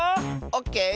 オッケー！